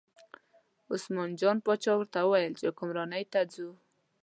عثمان جان باچا ورته وویل چې حکمرانۍ ته ځو.